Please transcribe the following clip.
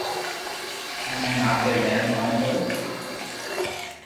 ھون ھين آپري جائين ڪوم ڪرو